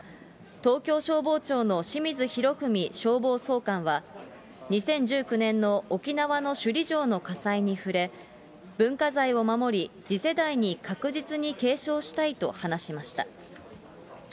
東京消防庁の清水洋文消防総監は、２０１９年に沖縄の首里城の火災に触れ、文化財を守り、次世代に確実に継承したいと話しました。